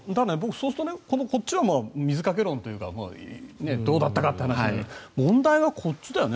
そうするとこっちは水掛け論というかどうだったかって話だけど問題はこっちだよね。